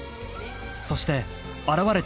［そして現れたのは］